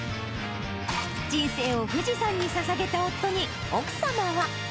人生を富士山にささげた夫に、奥様は。